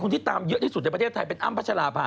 ที่ตามเยอะที่สุดในประเทศไทยเป็นอ้ำพัชราภา